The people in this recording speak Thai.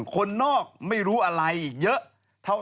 คนนอกไม่รู้อะไรอีกเยอะเท่า